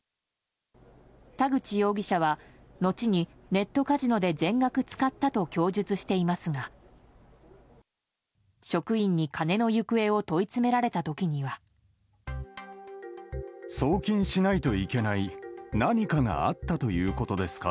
田口容疑者は、後にネットカジノで全額使ったと供述していますが職員に金の行方を問い詰められた時には。すると。